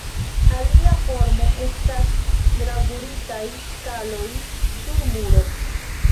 Alia formo estas gravuritaj skaloj sur muro.